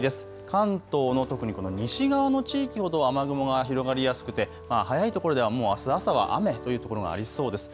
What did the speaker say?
関東の特に西側の地域ほど雨雲が広がりやすくて早いところではもうあす朝は雨という所がありそうです。